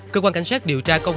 cơ quan cảnh sát điều tra công an